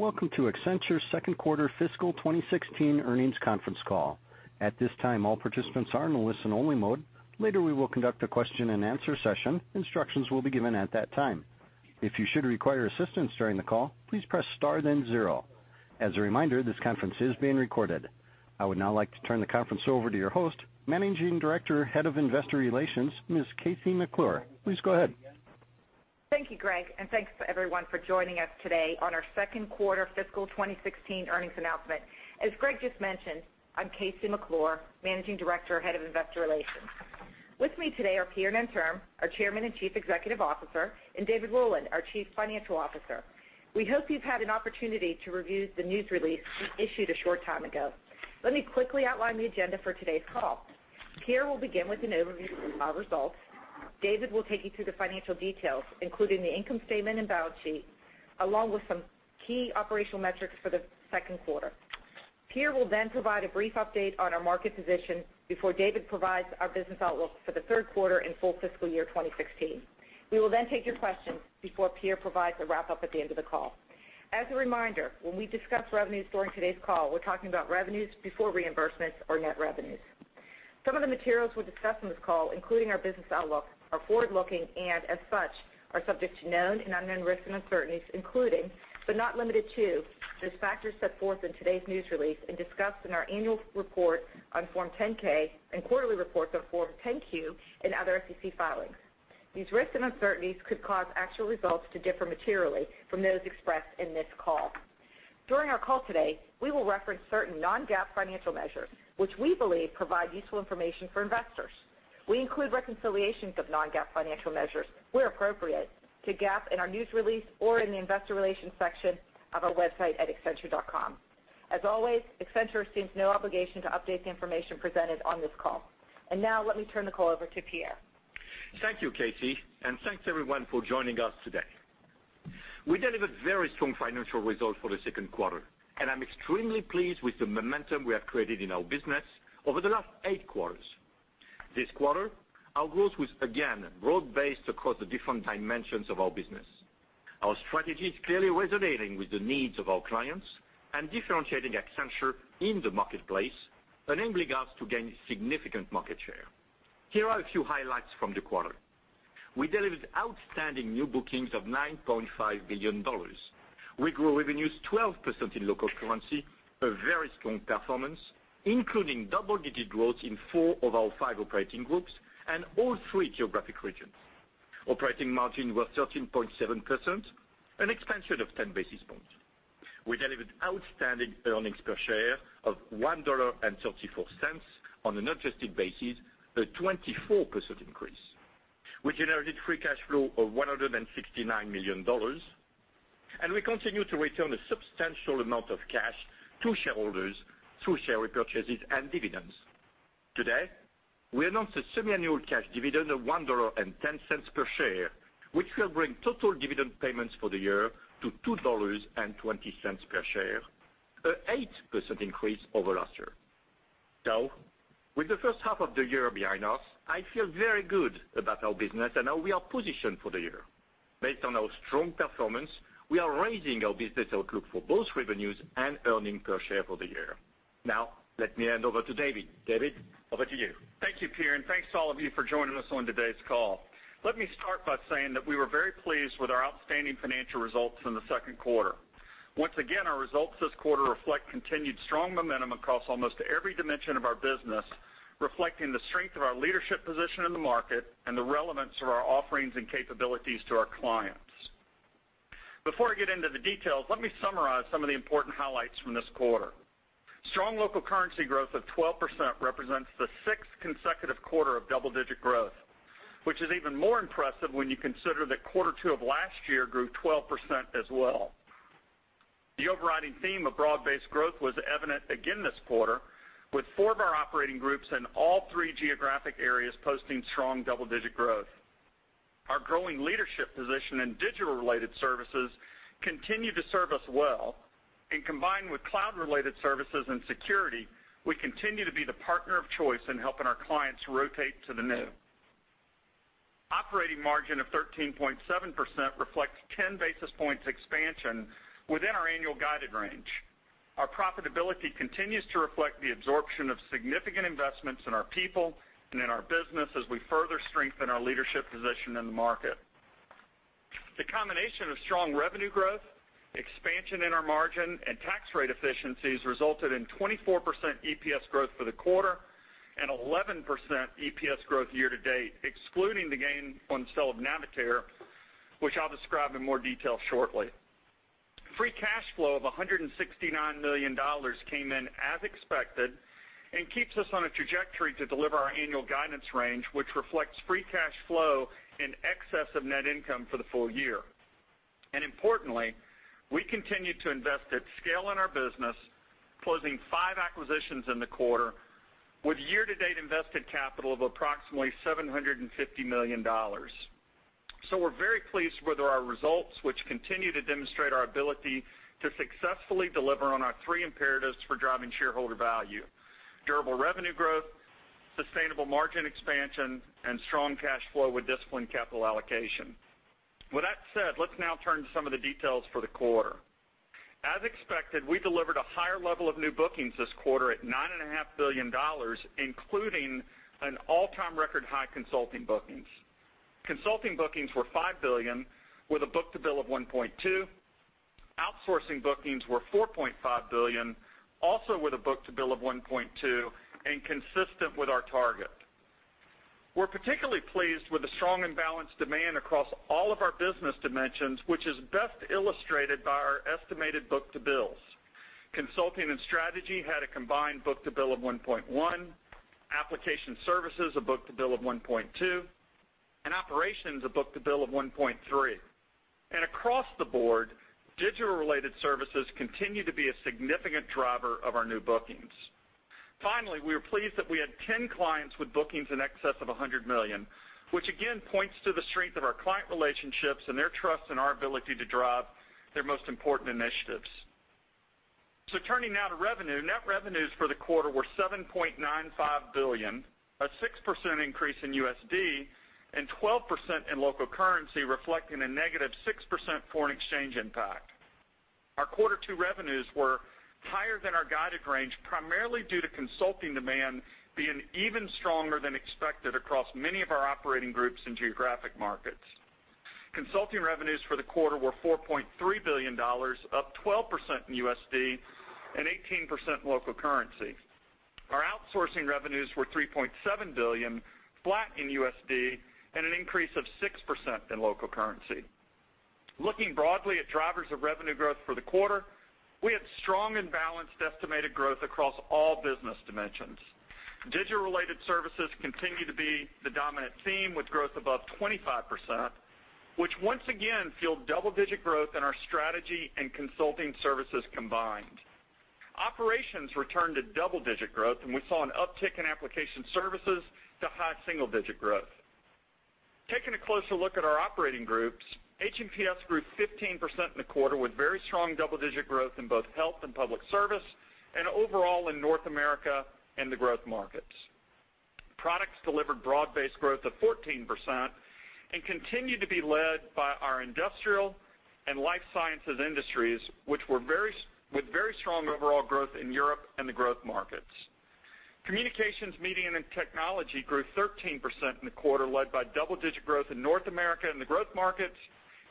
Welcome to Accenture's second quarter fiscal 2016 earnings conference call. At this time, all participants are in a listen-only mode. Later, we will conduct a question-and-answer session. Instructions will be given at that time. If you should require assistance during the call, please press star then zero. As a reminder, this conference is being recorded. I would now like to turn the conference over to your host, Managing Director, Head of Investor Relations, Ms. KC McClure. Please go ahead. Thank you, Greg, and thanks to everyone for joining us today on our second quarter fiscal 2016 earnings announcement. As Greg just mentioned, I'm KC McClure, Managing Director, Head of Investor Relations. With me today are Pierre Nanterme, our Chairman and Chief Executive Officer, and David Rowland, our Chief Financial Officer. We hope you've had an opportunity to review the news release we issued a short time ago. Let me quickly outline the agenda for today's call. Pierre will begin with an overview of our results. David will take you through the financial details, including the income statement and balance sheet, along with some key operational metrics for the second quarter. Pierre will provide a brief update on our market position before David provides our business outlook for the third quarter and full fiscal year 2016. We will take your questions before Pierre provides a wrap-up at the end of the call. As a reminder, when we discuss revenues during today's call, we're talking about revenues before reimbursements or net revenues. Some of the materials we'll discuss on this call, including our business outlook, are forward-looking and, as such, are subject to known and unknown risks and uncertainties including, but not limited to, those factors set forth in today's news release and discussed in our annual report on Form 10-K and quarterly reports on Form 10-Q and other SEC filings. These risks and uncertainties could cause actual results to differ materially from those expressed in this call. During our call today, we will reference certain non-GAAP financial measures, which we believe provide useful information for investors. We include reconciliations of non-GAAP financial measures where appropriate to GAAP in our news release or in the investor relations section of our website at accenture.com. As always, Accenture assumes no obligation to update the information presented on this call. Now let me turn the call over to Pierre. Thank you, KC. Thanks, everyone, for joining us today. We delivered very strong financial results for the second quarter, I'm extremely pleased with the momentum we have created in our business over the last eight quarters. This quarter, our growth was again broad-based across the different dimensions of our business. Our strategy is clearly resonating with the needs of our clients differentiating Accenture in the marketplace, enabling us to gain significant market share. Here are a few highlights from the quarter. We delivered outstanding new bookings of $9.5 billion. We grew revenues 12% in local currency, a very strong performance, including double-digit growth in four of our five operating groups all three geographic regions. Operating margin was 13.7%, an expansion of 10 basis points. We delivered outstanding earnings per share of $1.34 on an adjusted basis, a 24% increase. We generated free cash flow of $169 million, We continue to return a substantial amount of cash to shareholders through share repurchases and dividends. Today, we announced a semiannual cash dividend of $1.10 per share, which will bring total dividend payments for the year to $2.20 per share, an 8% increase over last year. With the first half of the year behind us, I feel very good about our business how we are positioned for the year. Based on our strong performance, we are raising our business outlook for both revenues and earnings per share for the year. Now let me hand over to David. David, over to you. Thank you, Pierre. Thanks to all of you for joining us on today's call. Let me start by saying that we were very pleased with our outstanding financial results in the second quarter. Once again, our results this quarter reflect continued strong momentum across almost every dimension of our business, reflecting the strength of our leadership position in the market the relevance of our offerings and capabilities to our clients. Before I get into the details, let me summarize some of the important highlights from this quarter. Strong local currency growth of 12% represents the sixth consecutive quarter of double-digit growth, which is even more impressive when you consider that quarter two of last year grew 12% as well. The overriding theme of broad-based growth was evident again this quarter with four of our operating groups in all three geographic areas posting strong double-digit growth. Our growing leadership position in digital-related services continue to serve us well, combined with cloud-related services security, we continue to be the partner of choice in helping our clients rotate to the new. Operating margin of 13.7% reflects 10 basis points expansion within our annual guided range. Our profitability continues to reflect the absorption of significant investments in our people in our business as we further strengthen our leadership position in the market. The combination of strong revenue growth, expansion in our margin, tax rate efficiencies resulted in 24% EPS growth for the quarter 11% EPS growth year to date, excluding the gain on the sale of Navitaire, which I'll describe in more detail shortly. Free cash flow of $169 million came in as expected and keeps us on a trajectory to deliver our annual guidance range, which reflects free cash flow in excess of net income for the full year. Importantly, we continue to invest at scale in our business, closing five acquisitions in the quarter with year-to-date invested capital of approximately $750 million. We're very pleased with our results, which continue to demonstrate our ability to successfully deliver on our three imperatives for driving shareholder value: durable revenue growth, sustainable margin expansion and strong cash flow with disciplined capital allocation. With that said, let's now turn to some of the details for the quarter. As expected, we delivered a higher level of new bookings this quarter at $9.5 billion, including an all-time record high consulting bookings. Consulting bookings were $5 billion, with a book-to-bill of 1.2. Outsourcing bookings were $4.5 billion, also with a book-to-bill of 1.2 and consistent with our target. We're particularly pleased with the strong and balanced demand across all of our business dimensions, which is best illustrated by our estimated book-to-bills. Consulting and Strategy had a combined book-to-bill of 1.1, application services, a book-to-bill of 1.2, and Operations, a book-to-bill of 1.3. Across the board, digital-related services continue to be a significant driver of our new bookings. Finally, we are pleased that we had 10 clients with bookings in excess of $100 million, which again points to the strength of our client relationships and their trust in our ability to drive their most important initiatives. Turning now to revenue, net revenues for the quarter were $7.95 billion, a 6% increase in USD and 12% in local currency, reflecting a negative 6% foreign exchange impact. Our Q2 revenues were higher than our guided range, primarily due to consulting demand being even stronger than expected across many of our operating groups and geographic markets. Consulting revenues for the quarter were $4.3 billion, up 12% in USD and 18% in local currency. Our outsourcing revenues were $3.7 billion, flat in USD and an increase of 6% in local currency. Looking broadly at drivers of revenue growth for the quarter, we had strong and balanced estimated growth across all business dimensions. Digital-related services continue to be the dominant theme, with growth above 25%, which once again fueled double-digit growth in our Strategy and consulting services combined. Operations returned to double-digit growth, and we saw an uptick in application services to high single-digit growth. Taking a closer look at our operating groups, H&PS grew 15% in the quarter, with very strong double-digit growth in both Health & Public Service and overall in North America and the growth markets. Products delivered broad-based growth of 14% and continued to be led by our industrial and life sciences industries, with very strong overall growth in Europe and the growth markets. Communications, Media, and Technology grew 13% in the quarter, led by double-digit growth in North America and the growth markets,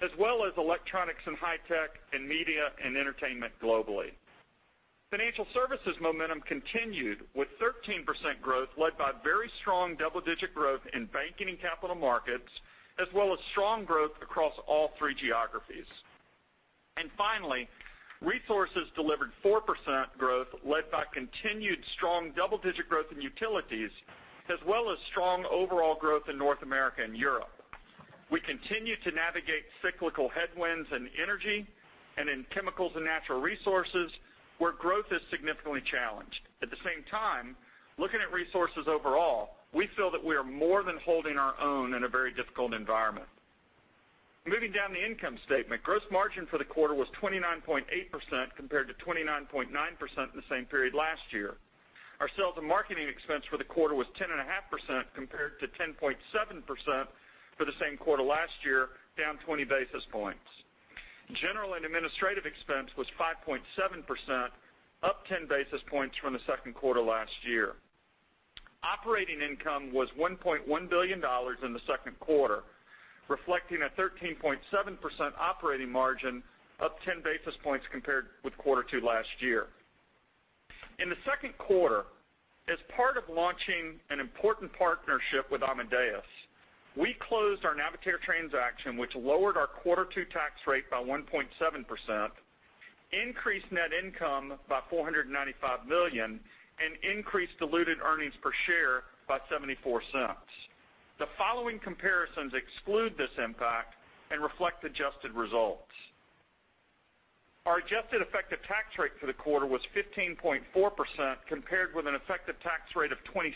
as well as Electronics and High-Tech and Media and Entertainment globally. Financial Services momentum continued with 13% growth, led by very strong double-digit growth in Banking and Capital Markets, as well as strong growth across all three geographies. Finally, Resources delivered 4% growth, led by continued strong double-digit growth in Utilities, as well as strong overall growth in North America and Europe. We continue to navigate cyclical headwinds in energy and in chemicals and natural resources, where growth is significantly challenged. At the same time, looking at resources overall, we feel that we are more than holding our own in a very difficult environment. Moving down the income statement, gross margin for the quarter was 29.8% compared to 29.9% in the same period last year. Our sales and marketing expense for the quarter was 10.5% compared to 10.7% for the same quarter last year, down 20 basis points. General and administrative expense was 5.7%, up 10 basis points from the second quarter last year. Operating income was $1.1 billion in the second quarter, reflecting a 13.7% operating margin, up 10 basis points compared with Q2 last year. In the second quarter, as part of launching an important partnership with Amadeus, we closed our Navitaire transaction, which lowered our Q2 tax rate by 1.7%, increased net income by $495 million, and increased diluted earnings per share by $0.74. The following comparisons exclude this impact and reflect adjusted results. Our adjusted effective tax rate for the quarter was 15.4%, compared with an effective tax rate of 26%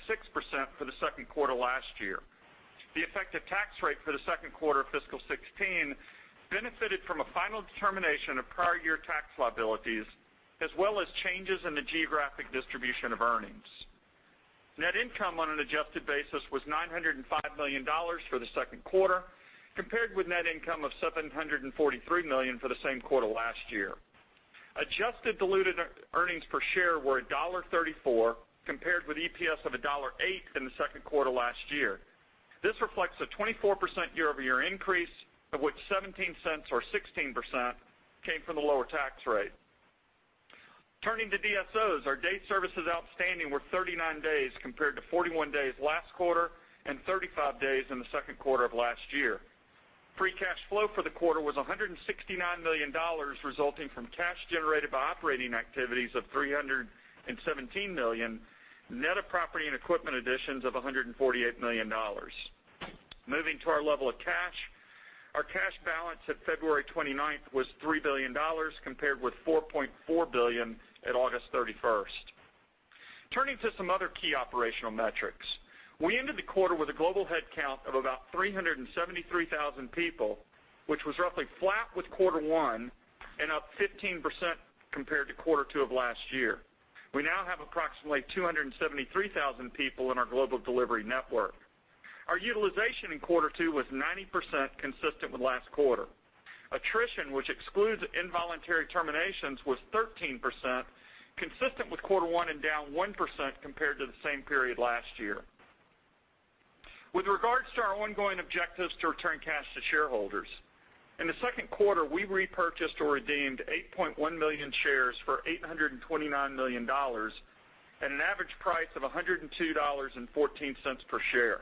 for the second quarter last year. The effective tax rate for the second quarter of fiscal 2016 benefited from a final determination of prior year tax liabilities, as well as changes in the geographic distribution of earnings. Net income on an adjusted basis was $905 million for the second quarter, compared with net income of $743 million for the same quarter last year. Adjusted diluted earnings per share were $1.34, compared with EPS of $1.08 in the second quarter last year. This reflects a 24% year-over-year increase, of which $0.17 or 16% came from the lower tax rate. Turning to DSO, our days services outstanding were 39 days compared to 41 days last quarter and 35 days in the second quarter of last year. Free cash flow for the quarter was $169 million, resulting from cash generated by operating activities of $317 million, net of property and equipment additions of $148 million. Moving to our level of cash, our cash balance at February 29th was $3 billion, compared with $4.4 billion at August 31st. Turning to some other key operational metrics, we ended the quarter with a global headcount of about 373,000 people, which was roughly flat with quarter one and up 15% compared to quarter two of last year. We now have approximately 273,000 people in our global delivery network. Our utilization in quarter two was 90%, consistent with last quarter. Attrition, which excludes involuntary terminations, was 13%, consistent with quarter one and down 1% compared to the same period last year. With regards to our ongoing objectives to return cash to shareholders, in the second quarter, we repurchased or redeemed 8.1 million shares for $829 million, at an average price of $102.14 per share.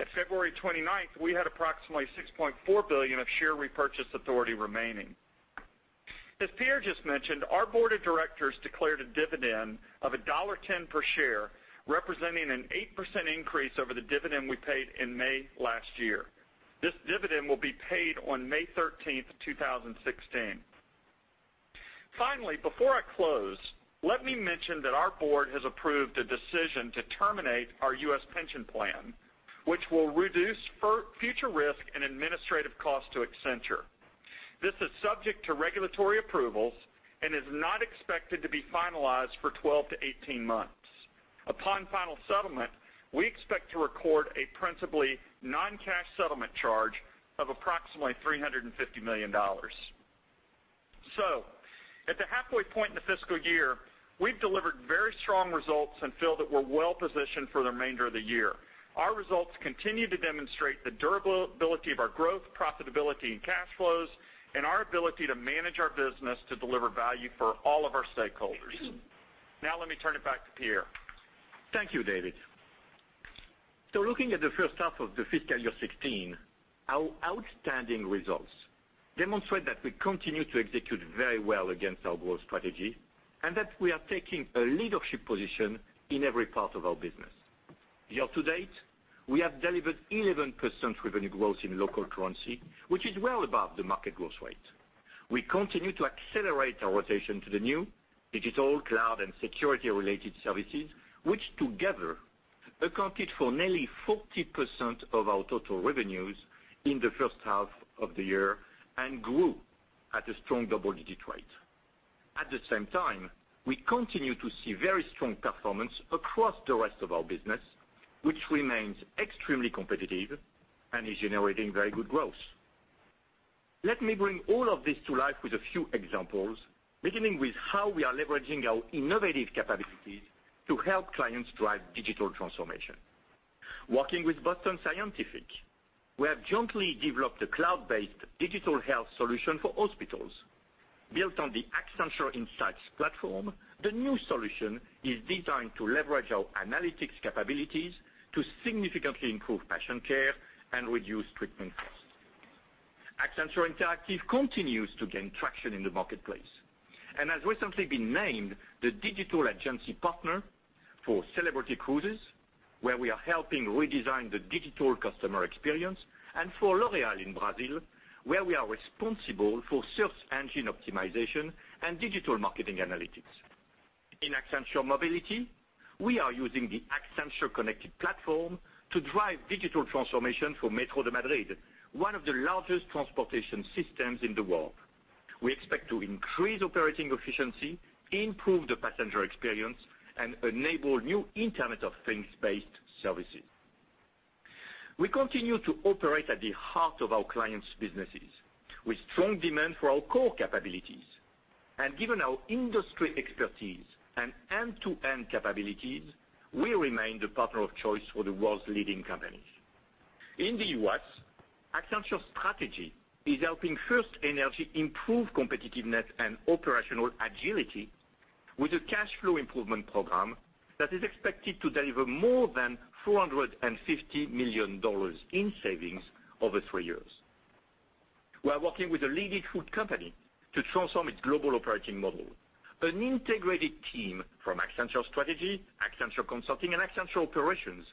At February 29th, we had approximately $6.4 billion of share repurchase authority remaining. As Pierre just mentioned, our board of directors declared a dividend of $1.10 per share, representing an 8% increase over the dividend we paid in May last year. This dividend will be paid on May 13th, 2016. Finally, before I close, let me mention that our board has approved a decision to terminate our U.S. pension plan, which will reduce future risk and administrative cost to Accenture. This is subject to regulatory approvals and is not expected to be finalized for 12 to 18 months. Upon final settlement, we expect to record a principally non-cash settlement charge of approximately $350 million. At the halfway point in the fiscal year, we've delivered very strong results and feel that we're well-positioned for the remainder of the year. Our results continue to demonstrate the durability of our growth, profitability, and cash flows, and our ability to manage our business to deliver value for all of our stakeholders. Now, let me turn it back to Pierre. Thank you, David. Looking at the first half of the fiscal year 2016, our outstanding results demonstrate that we continue to execute very well against our growth strategy and that we are taking a leadership position in every part of our business. Year to date, we have delivered 11% revenue growth in local currency, which is well above the market growth rate. We continue to accelerate our rotation to the new digital, cloud, and security-related services, which together accounted for nearly 40% of our total revenues in the first half of the year and grew at a strong double-digit rate. At the same time, we continue to see very strong performance across the rest of our business, which remains extremely competitive and is generating very good growth. Let me bring all of this to life with a few examples, beginning with how we are leveraging our innovative capabilities to help clients drive digital transformation. Working with Boston Scientific, we have jointly developed a cloud-based digital health solution for hospitals. Built on the Accenture Insights Platform, the new solution is designed to leverage our analytics capabilities to significantly improve patient care and reduce treatment costs. Accenture Interactive continues to gain traction in the marketplace and has recently been named the digital agency partner for Celebrity Cruises, where we are helping redesign the digital customer experience, and for L'Oréal in Brazil, where we are responsible for search engine optimization and digital marketing analytics. In Accenture Mobility, we are using the Accenture Connected Platforms to drive digital transformation for Metro de Madrid, one of the largest transportation systems in the world. We expect to increase operating efficiency, improve the passenger experience, and enable new Internet of Things-based services. We continue to operate at the heart of our clients' businesses with strong demand for our core capabilities. Given our industry expertise and end-to-end capabilities, we remain the partner of choice for the world's leading companies. In the U.S., Accenture Strategy is helping FirstEnergy improve competitiveness and operational agility with a cash flow improvement program that is expected to deliver more than $450 million in savings over three years. We are working with a leading food company to transform its global operating model. An integrated team from Accenture Strategy, Accenture Consulting, and Accenture Operations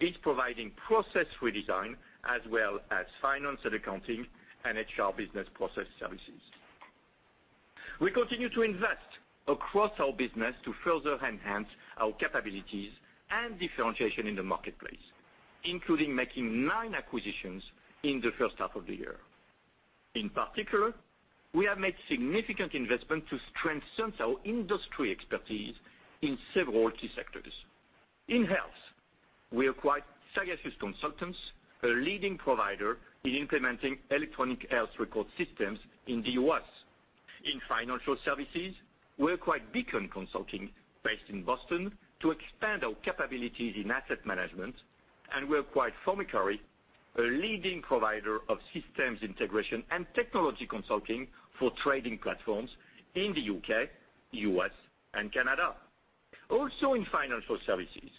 is providing process redesign as well as finance and accounting and HR business process services. We continue to invest across our business to further enhance our capabilities and differentiation in the marketplace, including making nine acquisitions in the first half of the year. In particular, we have made significant investment to strengthen our industry expertise in several key sectors. In health, we acquired Sagacious Consultants, a leading provider in implementing electronic health record systems in the U.S. In financial services, we acquired Beacon Consulting, based in Boston, to expand our capabilities in asset management, and we acquired Formicary, a leading provider of systems integration and technology consulting for trading platforms in the U.K., U.S., and Canada. In financial services,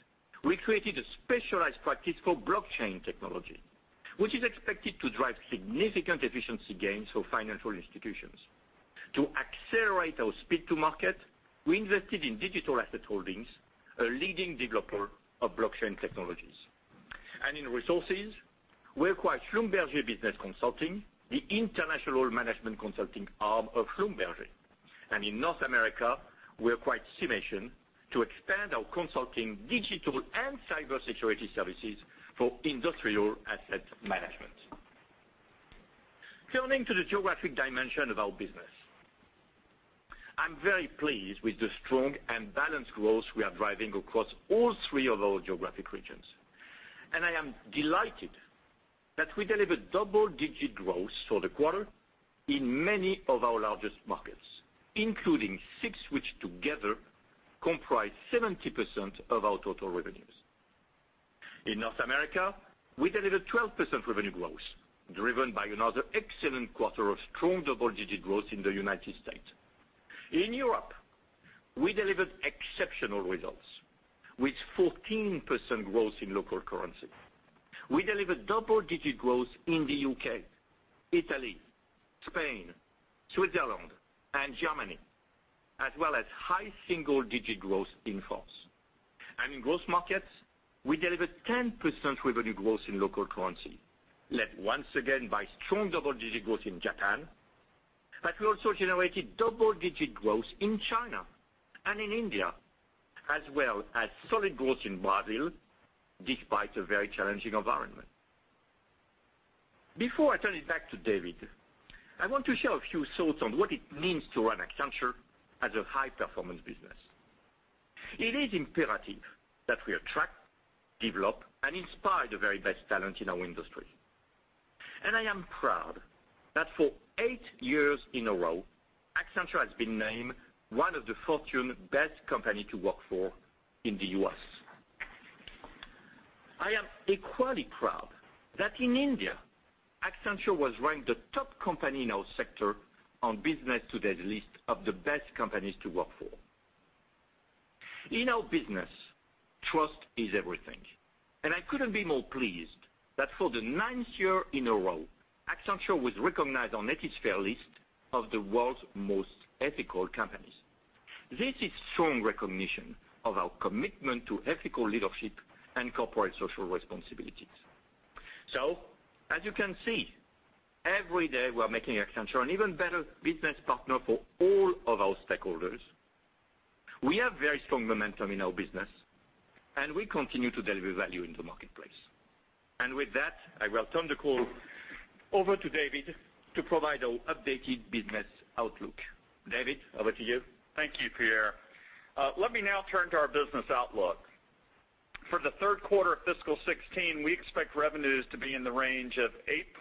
we created a specialized practice for blockchain technology, which is expected to drive significant efficiency gains for financial institutions. To accelerate our speed to market, we invested in Digital Asset Holdings, a leading developer of blockchain technologies. In resources, we acquired Schlumberger Business Consulting, the international management consulting arm of Schlumberger. In North America, we acquired Cimation to expand our consulting digital and cybersecurity services for industrial asset management. Turning to the geographic dimension of our business. I'm very pleased with the strong and balanced growth we are driving across all three of our geographic regions, and I am delighted that we delivered double-digit growth for the quarter in many of our largest markets, including six, which together comprise 70% of our total revenues. In North America, we delivered 12% revenue growth, driven by another excellent quarter of strong double-digit growth in the United States. In Europe, we delivered exceptional results with 14% growth in local currency. We delivered double-digit growth in the U.K., Italy, Spain, Switzerland, and Germany, as well as high single-digit growth in France. In growth markets, we delivered 10% revenue growth in local currency, led once again by strong double-digit growth in Japan. We also generated double-digit growth in China and in India, as well as solid growth in Brazil despite a very challenging environment. Before I turn it back to David, I want to share a few thoughts on what it means to run Accenture as a high-performance business. It is imperative that we attract, develop, and inspire the very best talent in our industry. I am proud that for eight years in a row, Accenture has been named one of the Fortune Best Companies to Work For in the U.S. I am equally proud that in India, Accenture was ranked the top company in our sector on Business Today's list of the best companies to work for. In our business, trust is everything, and I couldn't be more pleased that for the ninth year in a row, Accenture was recognized on Ethisphere list of the world's most ethical companies. This is strong recognition of our commitment to ethical leadership and corporate social responsibilities. As you can see, every day, we're making Accenture an even better business partner for all of our stakeholders. We have very strong momentum in our business, and we continue to deliver value in the marketplace. With that, I will turn the call over to David to provide our updated business outlook. David, over to you. Thank you, Pierre. Let me now turn to our business outlook. For the third quarter of fiscal 2016, we expect revenues to be in the range of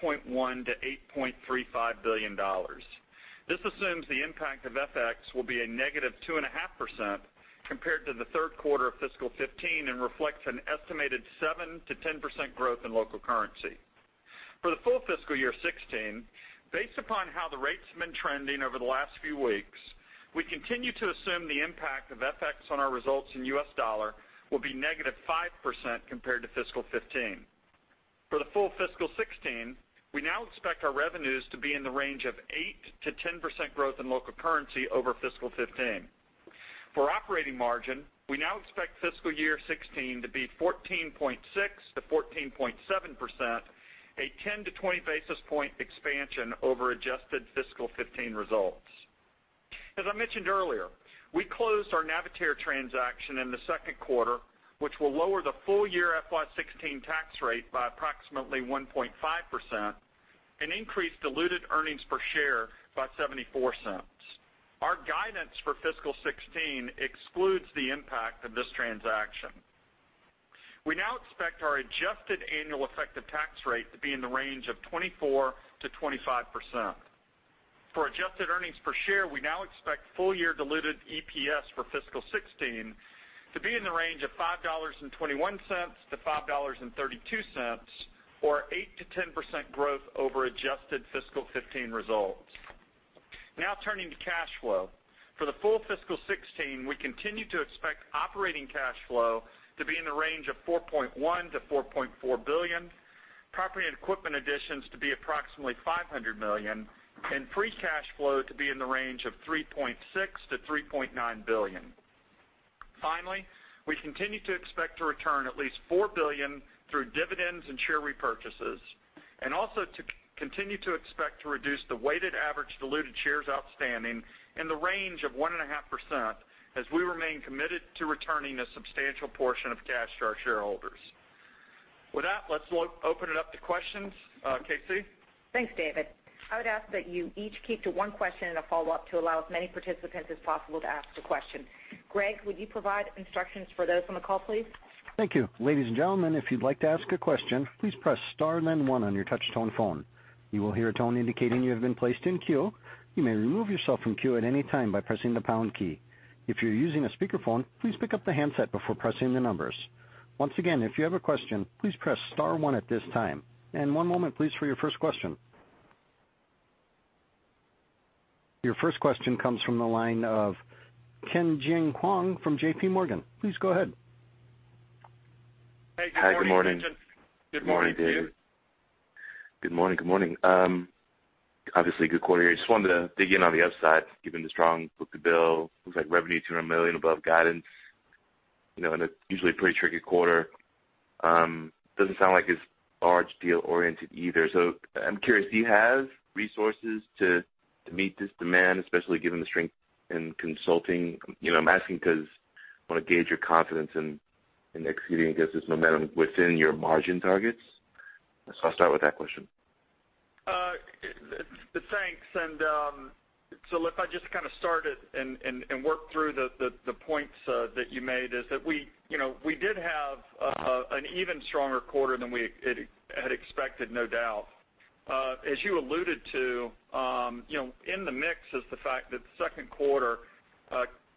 $8.1 billion-$8.35 billion. This assumes the impact of FX will be a negative 2.5% compared to the third quarter of fiscal 2015 and reflects an estimated 7%-10% growth in local currency. For the full fiscal year 2016, based upon how the rates have been trending over the last few weeks, we continue to assume the impact of FX on our results in U.S. dollar will be negative 5% compared to fiscal 2015. For the full fiscal 2016, we now expect our revenues to be in the range of 8%-10% growth in local currency over fiscal 2015. For operating margin, we now expect fiscal year 2016 to be 14.6%-14.7%, a 10-20 basis point expansion over adjusted fiscal 2015 results. As I mentioned earlier, we closed our Navitaire transaction in the second quarter, which will lower the full year FY 2016 tax rate by approximately 1.5% and increase diluted earnings per share by $0.74. Our guidance for fiscal 2016 excludes the impact of this transaction. We now expect our adjusted annual effective tax rate to be in the range of 24%-25%. For adjusted earnings per share, we now expect full-year diluted EPS for fiscal 2016 to be in the range of $5.21-$5.32 or 8%-10% growth over adjusted fiscal 2015 results. Now turning to cash flow. For the full fiscal 2016, we continue to expect operating cash flow to be in the range of $4.1 billion-$4.4 billion, property and equipment additions to be approximately $500 million, and free cash flow to be in the range of $3.6 billion-$3.9 billion. Finally, we continue to expect to return at least $4 billion through dividends and share repurchases, and also to continue to expect to reduce the weighted average diluted shares outstanding in the range of 1.5% as we remain committed to returning a substantial portion of cash to our shareholders. With that, let's open it up to questions. KC? Thanks, David. I would ask that you each keep to one question and a follow-up to allow as many participants as possible to ask a question. Greg, would you provide instructions for those on the call, please? Thank you. Ladies and gentlemen, if you'd like to ask a question, please press star then one on your touch tone phone. You will hear a tone indicating you have been placed in queue. You may remove yourself from queue at any time by pressing the pound key. If you're using a speakerphone, please pick up the handset before pressing the numbers. Once again, if you have a question, please press star one at this time. One moment, please, for your first question. Your first question comes from the line of Tien-Tsin Huang from JPMorgan. Please go ahead. Hey, good morning. Hi, good morning. Good morning to you. Good morning, David. Good morning. Obviously, good quarter. I just wanted to dig in on the upside, given the strong book-to-bill. Looks like revenue $200 million above guidance. In a usually pretty tricky quarter. Doesn't sound like it's large deal-oriented either. I'm curious, do you have resources to meet this demand, especially given the strength in consulting? I'm asking because I want to gauge your confidence in executing against this momentum within your margin targets. I'll start with that question. Thanks. If I just start it and work through the points that you made is that we did have an even stronger quarter than we had expected, no doubt. As you alluded to, in the mix is the fact that the second quarter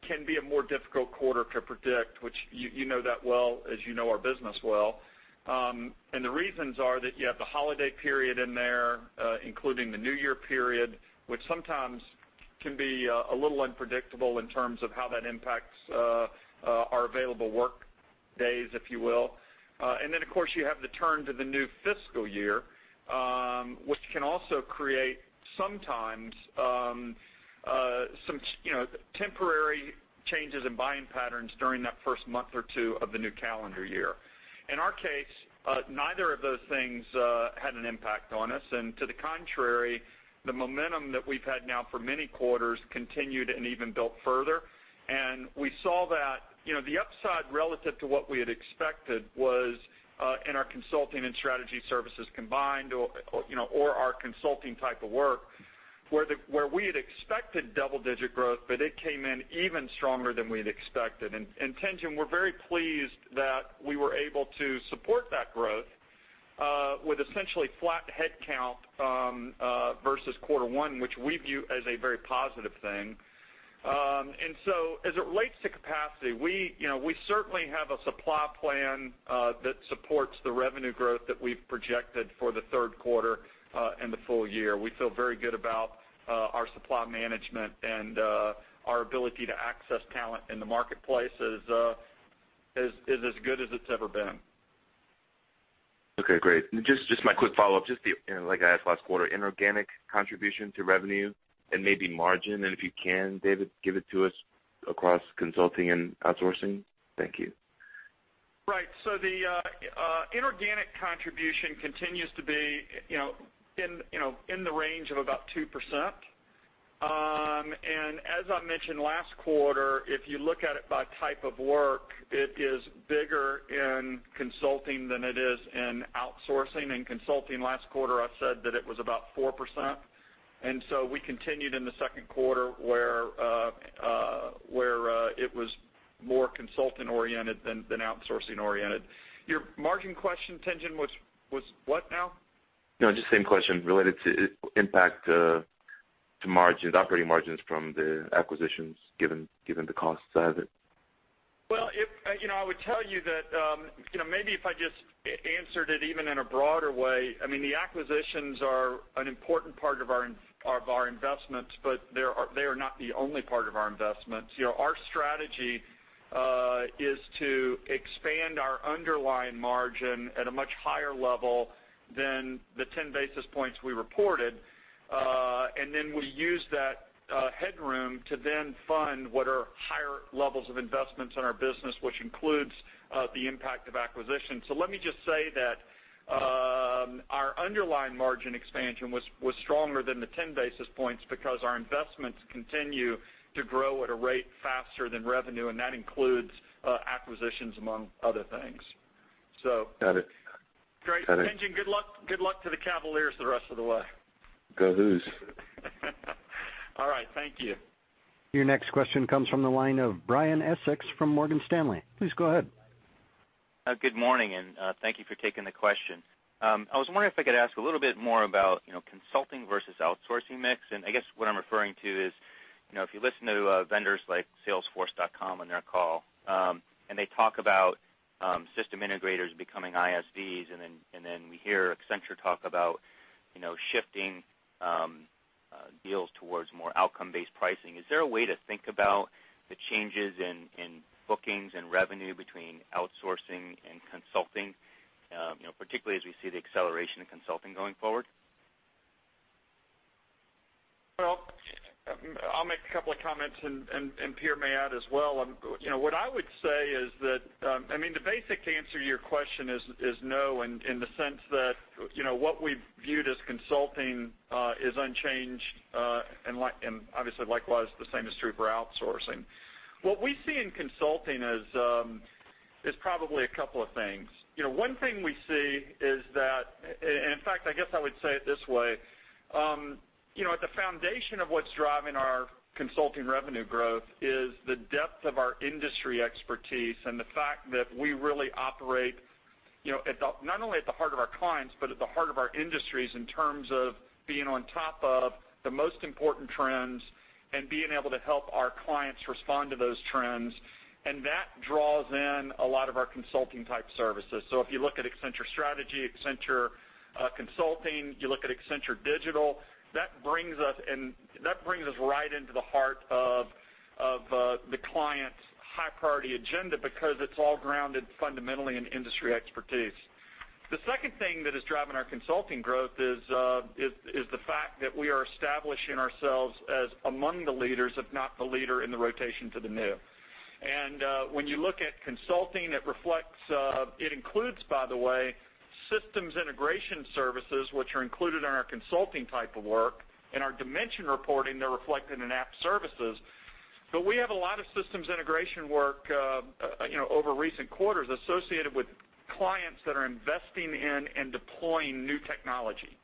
can be a more difficult quarter to predict, which you know that well, as you know our business well. The reasons are that you have the holiday period in there, including the new year period, which sometimes can be a little unpredictable in terms of how that impacts our available work days, if you will. Then, of course, you have the turn to the new fiscal year, which can also create sometimes some temporary changes in buying patterns during that first month or two of the new calendar year. In our case, neither of those things had an impact on us. To the contrary, the momentum that we've had now for many quarters continued and even built further. We saw that the upside relative to what we had expected was in our consulting and strategy services combined or our consulting type of work, where we had expected double-digit growth, but it came in even stronger than we had expected. Tien-Tsin, we're very pleased that we were able to support that growth with essentially flat headcount versus quarter one, which we view as a very positive thing. As it relates to capacity, we certainly have a supply plan that supports the revenue growth that we've projected for the third quarter and the full year. We feel very good about our supply management and our ability to access talent in the marketplace is as good as it's ever been. Okay, great. Just my quick follow-up, just like I asked last quarter, inorganic contribution to revenue and maybe margin. If you can, David, give it to us across consulting and outsourcing. Thank you. Right. The inorganic contribution continues to be in the range of about 2%. As I mentioned last quarter, if you look at it by type of work, it is bigger in consulting than it is in outsourcing. In consulting last quarter, I said that it was about 4%. We continued in the second quarter where it was more consultant-oriented than outsourcing-oriented. Your margin question, Tien-Tsin, was what now? No, just same question related to impact to operating margins from the acquisitions given the cost side of it. I would tell you that maybe if I just answered it even in a broader way. The acquisitions are an important part of our investments, but they are not the only part of our investments. Our strategy is to expand our underlying margin at a much higher level than the 10 basis points we reported. We use that headroom to then fund what are higher levels of investments in our business, which includes the impact of acquisition. Let me just say that our underlying margin expansion was stronger than the 10 basis points because our investments continue to grow at a rate faster than revenue, and that includes acquisitions, among other things. Got it. Great. Got it. Tien-Tsin Huang, good luck to the Cavaliers the rest of the way. Go Hoos. All right. Thank you. Your next question comes from the line of Brian Essex from Morgan Stanley. Please go ahead. Good morning, and thank you for taking the question. I was wondering if I could ask a little bit more about consulting versus outsourcing mix. I guess what I'm referring to is, if you listen to vendors like Salesforce on their call and they talk about system integrators becoming ISV, and then we hear Accenture talk about shifting deals towards more outcome-based pricing. Is there a way to think about the changes in bookings and revenue between outsourcing and consulting, particularly as we see the acceleration in consulting going forward? I'll make a couple of comments and Pierre may add as well. What I would say is that the basic answer to your question is no, in the sense that what we viewed as consulting is unchanged and obviously likewise, the same is true for outsourcing. What we see in consulting is probably a couple of things. One thing we see is that, and in fact, I guess I would say it this way. At the foundation of what's driving our consulting revenue growth is the depth of our industry expertise and the fact that we really operate not only at the heart of our clients, but at the heart of our industries in terms of being on top of the most important trends and being able to help our clients respond to those trends. That draws in a lot of our consulting-type services. If you look at Accenture Strategy, Accenture Consulting, you look at Accenture Digital, that brings us right into the heart of the client's high-priority agenda because it's all grounded fundamentally in industry expertise. The second thing that is driving our consulting growth is the fact that we are establishing ourselves as among the leaders, if not the leader, in the rotation to the new. When you look at consulting, it includes, by the way, systems integration services, which are included in our consulting type of work. In our dimension reporting, they're reflected in app services. We have a lot of systems integration work over recent quarters associated with clients that are investing in and deploying new technology.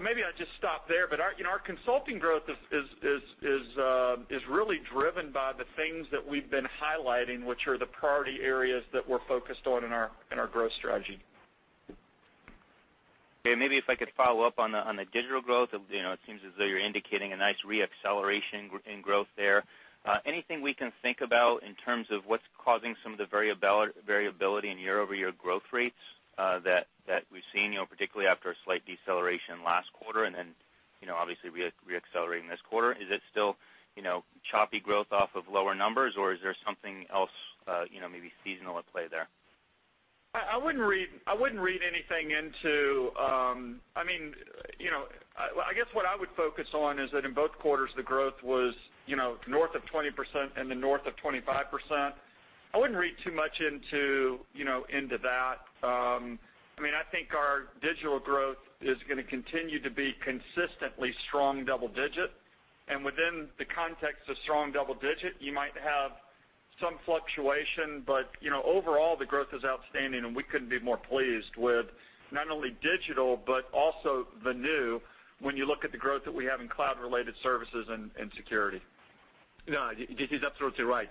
Maybe I'll just stop there, our consulting growth is really driven by the things that we've been highlighting, which are the priority areas that we're focused on in our growth strategy. Maybe if I could follow up on the digital growth. It seems as though you're indicating a nice re-acceleration in growth there. Anything we can think about in terms of what's causing some of the variability in year-over-year growth rates that we've seen, particularly after a slight deceleration last quarter and then obviously re-accelerating this quarter? Is it still choppy growth off of lower numbers, is there something else, maybe seasonal, at play there? I wouldn't read anything into what I would focus on is that in both quarters, the growth was north of 20% and then north of 25%. I wouldn't read too much into that. I think our digital growth is going to continue to be consistently strong double digit. Within the context of strong double digit, you might have some fluctuation, but overall, the growth is outstanding and we couldn't be more pleased with not only digital, but also the new, when you look at the growth that we have in cloud-related services and security. No, this is absolutely right.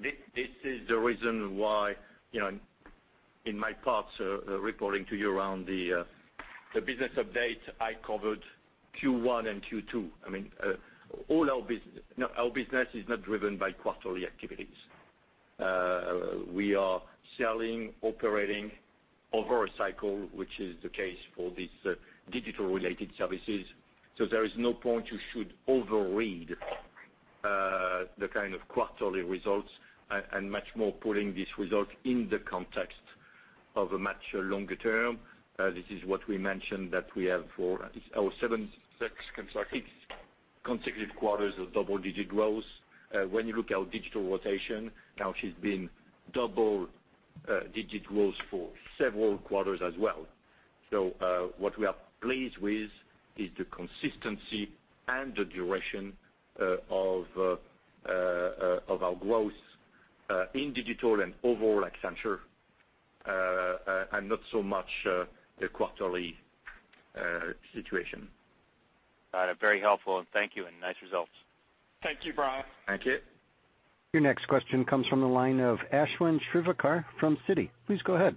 This is the reason why, in my part, reporting to you around the business update I covered Q1 and Q2. Our business is not driven by quarterly activities. We are selling, operating over a cycle, which is the case for these digital-related services. There is no point you should overread the kind of quarterly results and much more putting this result in the context of a much longer term. This is what we mentioned that we have for our six- Six consecutive six consecutive quarters of double-digit growth. When you look at our digital rotation, now it's been double-digit growth for several quarters as well. What we are pleased with is the consistency and the duration of our growth in digital and overall Accenture, and not so much the quarterly situation. Got it. Very helpful, and thank you, and nice results. Thank you, Brian. Thank you. Your next question comes from the line of Ashwin Shirvaikar from Citi. Please go ahead.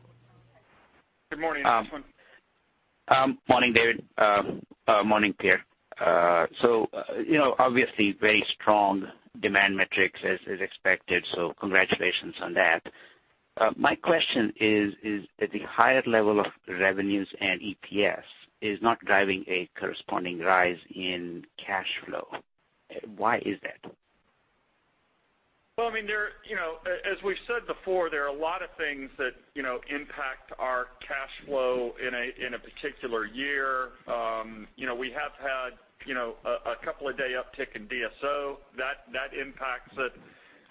Good morning, Ashwin. Morning, David. Morning, Pierre. Obviously, very strong demand metrics as expected, congratulations on that. My question is that the higher level of revenues and EPS is not driving a corresponding rise in cash flow. Why is that? Well, as we've said before, there are a lot of things that impact our cash flow in a particular year. We have had a couple of day uptick in DSO. That impacts it.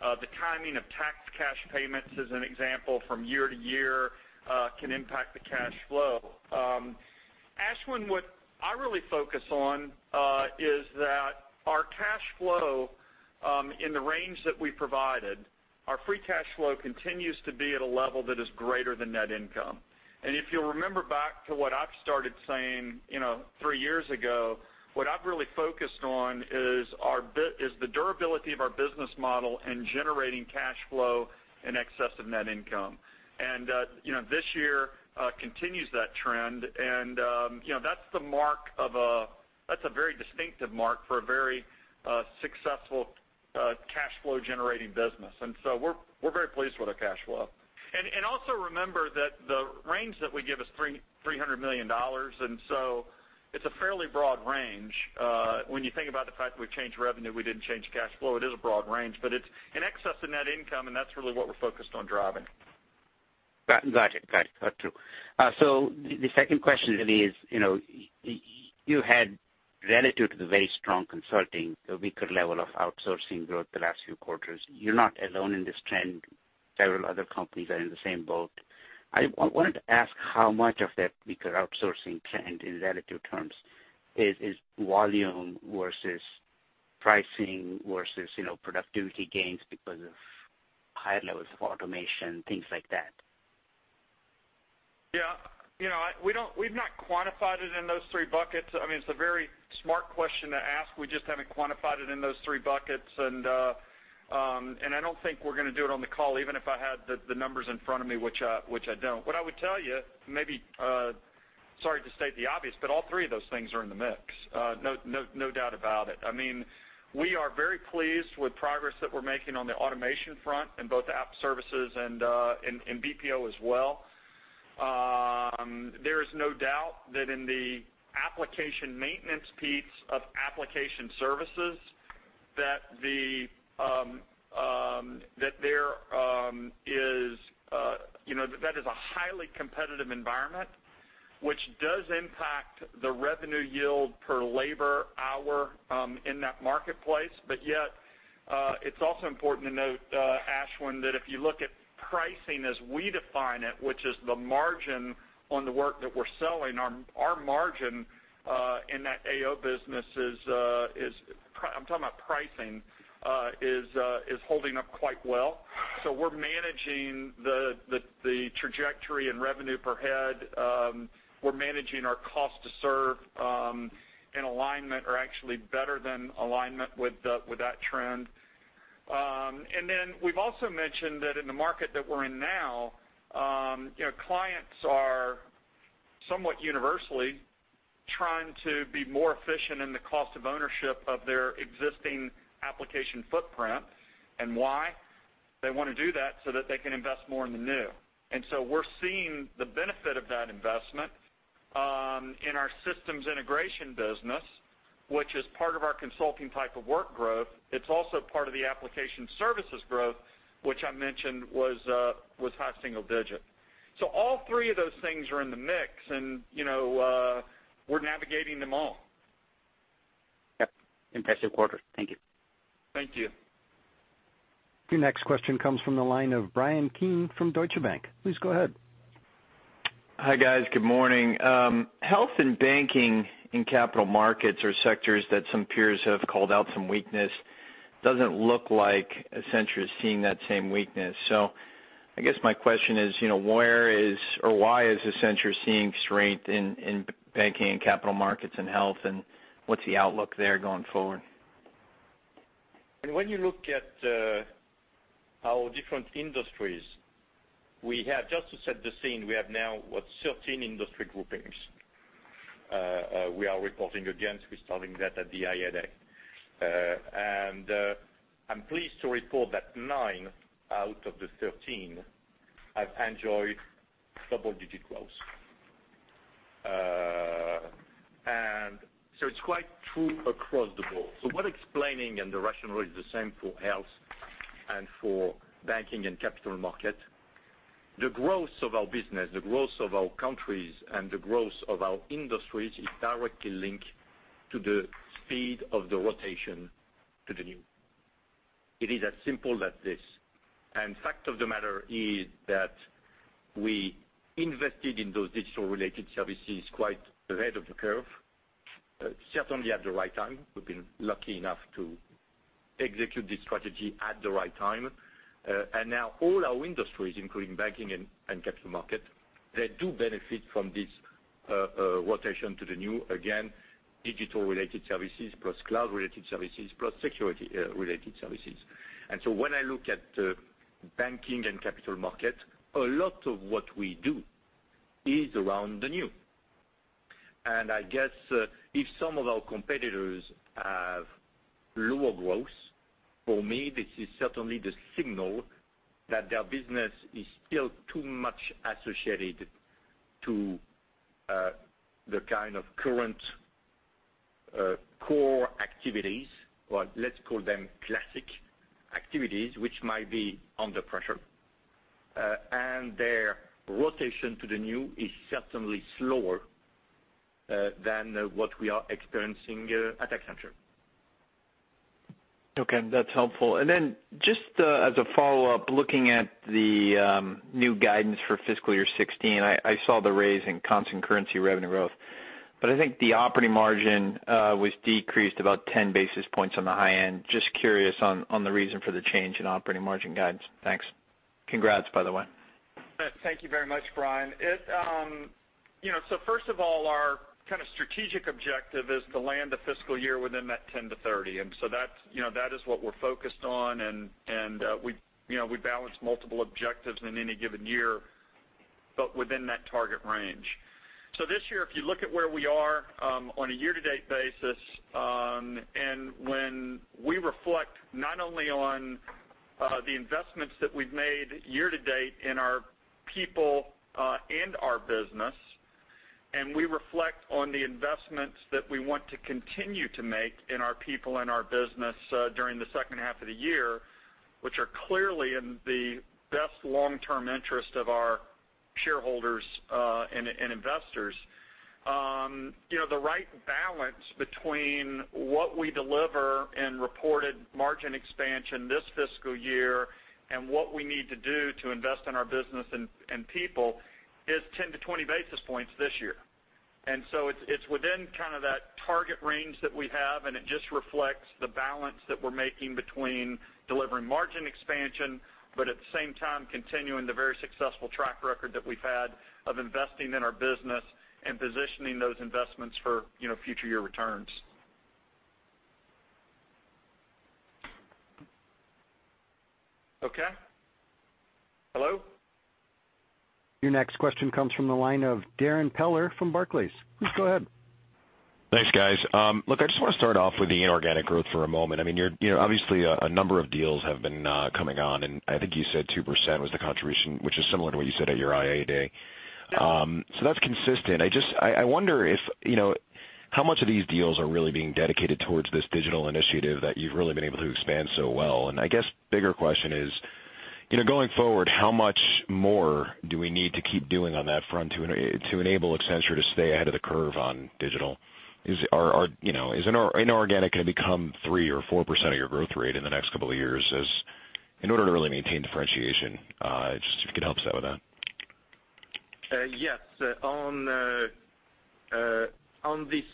The timing of tax cash payments, as an example, from year to year can impact the cash flow. Ashwin, what I really focus on is that our cash flow in the range that we provided, our free cash flow continues to be at a level that is greater than net income. If you'll remember back to what I've started saying three years ago, what I've really focused on is the durability of our business model and generating cash flow in excess of net income. This year continues that trend, and that's a very distinctive mark for a very successful cash flow-generating business. We're very pleased with our cash flow. Also remember that the range that we give is $300 million, it's a fairly broad range. When you think about the fact that we've changed revenue, we didn't change cash flow, it is a broad range, but it's in excess of net income, that's really what we're focused on driving. Got it. True. The second question really is, you had relative to the very strong consulting, a weaker level of outsourcing growth the last few quarters. You're not alone in this trend. Several other companies are in the same boat. I wanted to ask how much of that weaker outsourcing trend in relative terms is volume versus pricing versus productivity gains because of higher levels of automation, things like that? Yeah. We've not quantified it in those three buckets. It's a very smart question to ask. We just haven't quantified it in those three buckets. I don't think we're going to do it on the call, even if I had the numbers in front of me, which I don't. What I would tell you, maybe, sorry to state the obvious, but all three of those things are in the mix. No doubt about it. We are very pleased with progress that we're making on the automation front in both App services and BPO as well. There is no doubt that in the application maintenance piece of application services. That is a highly competitive environment, which does impact the revenue yield per labor hour in that marketplace. It's also important to note, Ashwin, that if you look at pricing as we define it, which is the margin on the work that we're selling, our margin in that AO business is, I'm talking about pricing, is holding up quite well. We're managing the trajectory and revenue per head. We're managing our cost to serve in alignment, or actually better than alignment with that trend. We've also mentioned that in the market that we're in now, clients are somewhat universally trying to be more efficient in the cost of ownership of their existing application footprint. Why? They want to do that so that they can invest more in the new. We're seeing the benefit of that investment in our systems integration business, which is part of our consulting type of work growth. It's also part of the application services growth, which I mentioned was high single-digit. All three of those things are in the mix and we're navigating them all. Yep. Impressive quarter. Thank you. Thank you. Your next question comes from the line of Bryan Keane from Deutsche Bank. Please go ahead. Hi, guys. Good morning. Health and banking in capital markets are sectors that some peers have called out some weakness. Doesn't look like Accenture is seeing that same weakness. I guess my question is, why is Accenture seeing strength in banking and capital markets and health, and what's the outlook there going forward? When you look at our different industries, just to set the scene, we have now what, 13 industry groupings we are reporting against. We're starting that at the IAD. I'm pleased to report that nine out of the 13 have enjoyed double-digit growth. It's quite true across the board. What explaining, and the rationale is the same for health and for banking and capital market. The growth of our business, the growth of our countries, and the growth of our industries is directly linked to the speed of the rotation to the new. It is as simple as this. Fact of the matter is that we invested in those digital-related services quite ahead of the curve, certainly at the right time. We've been lucky enough to execute this strategy at the right time. Now all our industries, including banking and capital market, they do benefit from this rotation to the new. Again, digital-related services plus cloud-related services, plus security-related services. When I look at banking and capital market, a lot of what we do is around the new. I guess, if some of our competitors have lower growth, for me, this is certainly the signal that their business is still too much associated to the kind of current core activities, or let's call them classic activities, which might be under pressure. Their rotation to the new is certainly slower than what we are experiencing at Accenture. Okay. That's helpful. Just as a follow-up, looking at the new guidance for fiscal year 2016, I saw the raise in constant currency revenue growth, but I think the operating margin was decreased about 10 basis points on the high end. Just curious on the reason for the change in operating margin guidance. Thanks. Congrats, by the way. Thank you very much, Brian. First of all, our strategic objective is to land a fiscal year within that 10%-30%. That is what we're focused on, and we balance multiple objectives in any given year, but within that target range. This year, if you look at where we are on a year-to-date basis, and when we reflect not only on the investments that we've made year-to-date in our people and our business, and we reflect on the investments that we want to continue to make in our people and our business during the second half of the year, which are clearly in the best long-term interest of our shareholders and investors. The right balance between what we deliver in reported margin expansion this fiscal year and what we need to do to invest in our business and people is 10 to 20 basis points this year. It's within that target range that we have, and it just reflects the balance that we're making between delivering margin expansion, but at the same time, continuing the very successful track record that we've had of investing in our business and positioning those investments for future year returns. Okay. Hello? Your next question comes from the line of Darrin Peller from Barclays. Please go ahead. Thanks, guys. Look, I just want to start off with the inorganic growth for a moment. Obviously, a number of deals have been coming on, and I think you said 2% was the contribution, which is similar to what you said at your IAD. That's consistent. I wonder how much of these deals are really being dedicated towards this digital initiative that you've really been able to expand so well. I guess the bigger question is, going forward, how much more do we need to keep doing on that front to enable Accenture to stay ahead of the curve on digital? Is inorganic going to become 3% or 4% of your growth rate in the next couple of years in order to really maintain differentiation? If you could help us out with that. Yes. On this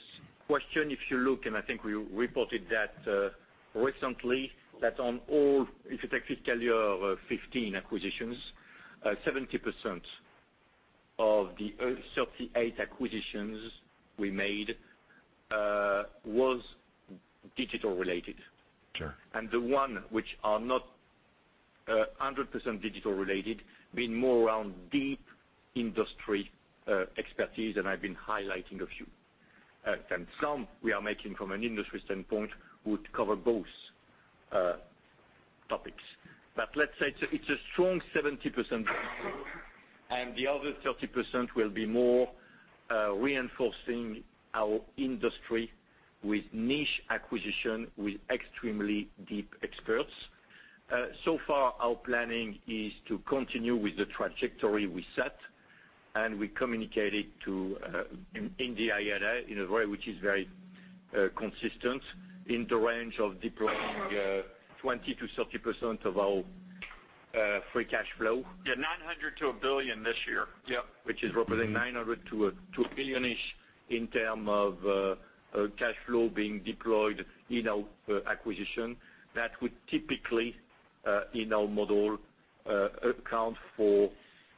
question, if you look, and I think we reported that recently, that on all, if you take fiscal year 2015 acquisitions, 70% of the 38 acquisitions we made was digital related. Sure. The one which are not 100% digital related, being more around deep industry expertise, and I've been highlighting a few. Some we are making from an industry standpoint would cover both topics. Let's say it's a strong 70% and the other 30% will be more reinforcing our industry with niche acquisition, with extremely deep experts. Far, our planning is to continue with the trajectory we set, and we communicated in the IRA, in a way which is very consistent, in the range of deploying 20%-30% of our free cash flow. Yeah, $900 million-$1 billion this year. Yep, which is representing $900 million-$1 billion-ish in terms of cash flow being deployed in our acquisition. That would typically, in our model, account for